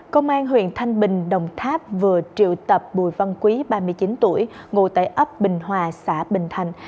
công an huyện thanh bình đồng tháp vừa triệu tập bùi văn quý ba mươi chín tuổi ngồi tại ấp bình hòa xã bình thành